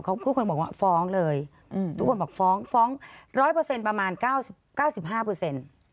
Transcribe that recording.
เขาทุกคนบอกว่าฟ้องเลยทุกคนบอกฟ้องฟ้องร้อยเปอร์เซ็นต์ประมาณเก้าสิบห้าเปอร์เซ็นต์